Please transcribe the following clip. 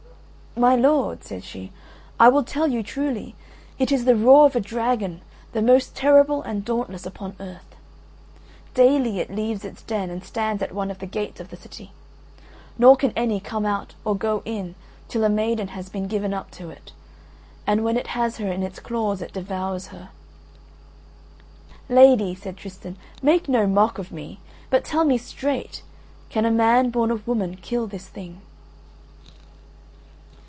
"My lord," said she, "I will tell you truly. It is the roar of a dragon the most terrible and dauntless upon earth. Daily it leaves its den and stands at one of the gates of the city: Nor can any come out or go in till a maiden has been given up to it; and when it has her in its claws it devours her." "Lady," said Tristan, "make no mock of me, but tell me straight: Can a man born of woman kill this thing?"